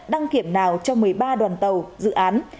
đăng kiểm nào cho một mươi ba đoàn tàu dự án